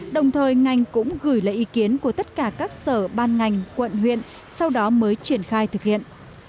đồng thời ngành cũng gửi lời ý kiến của tất cả các sở ban ngành quận huyện sau đó mới triển khai thực hiện